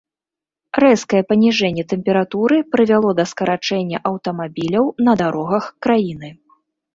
Рэзкае паніжэнне тэмпературы прывяло да скарачэння аўтамабіляў на дарогах краіны.